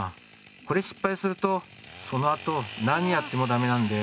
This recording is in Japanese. これ失敗するとそのあと何やってもだめなんで。